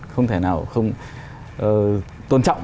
không thể nào không tôn trọng